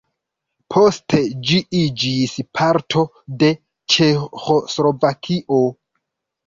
Poste ĝi iĝis parto de Ĉeĥoslovakio.